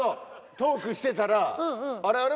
トークしてたらあれあれ？